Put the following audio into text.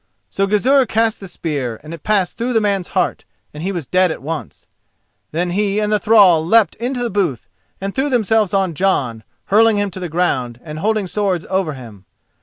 So Gizur cast the spear, and it passed through the man's heart, and he was dead at once. Then he and the thrall leapt into the booth and threw themselves on Jon, hurling him to the ground, and holding swords over him.